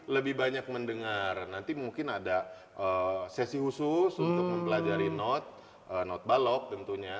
lebih banyak mendengar nanti mungkin ada sesi khusus untuk mempelajari note not balok tentunya